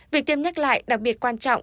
việc tiêm nhắc lại đặc biệt quan trọng